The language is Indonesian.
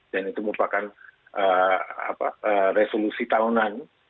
dan itu merupakan resolusi tahunan